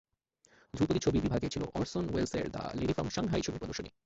ধ্রুপদি ছবি বিভাগে ছিল অরসন ওয়েলসের দ্য লেডি ফ্রম সাংহাই ছবির প্রদর্শনী।